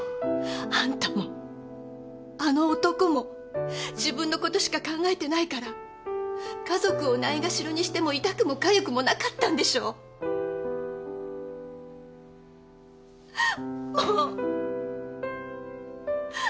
あんたもあの男も自分のことしか考えてないから家族をないがしろにしても痛くもかゆくもなかったんでしょ。もうっ。